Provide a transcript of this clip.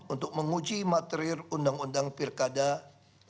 untuk menguji materir undang undang pirkada tahun dua ribu tujuh belas